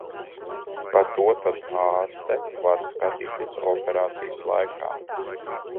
Pa to tad ārste var skatīties operācijas laikā.